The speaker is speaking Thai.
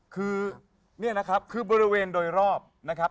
คือนี่นะครับคือบริเวณโดยรอบนะครับ